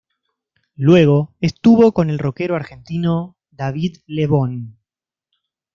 Luego estuvo con el rockero argentino David Lebón.